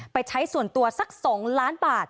ไปใช้ส่วนตัวสัก๒ล้านบาท